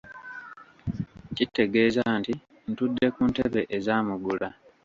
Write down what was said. Kitegeeza nti ntudde ku ntebe eza Mugula.